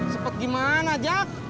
sepet gimana jak